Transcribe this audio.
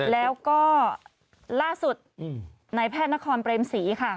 แล้วก็ล่าสุดนายแพทย์นครเปรมศรีค่ะ